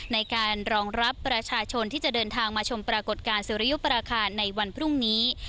ในการรองรับประชาชนที่จะเดินทางมาชมปรากฏการณ์สุริยุปราคาในวันพรุ่งนี้